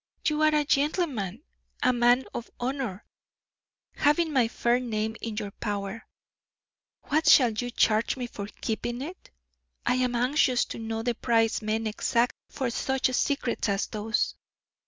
You are a gentleman, a man of honor, having my fair name in your power what shall you charge me for keeping it? I am anxious to know the price men exact for such secrets as those.